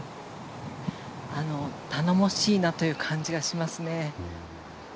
頼もしいなという感じがしますね。